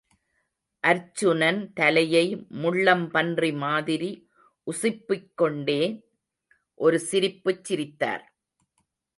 அர்ச்சுனன், தலையை முள்ளம் பன்றி மாதிரி உசுப்பிக் கொண்டே, ஒரு சிரிப்புச் சிரித்தார்.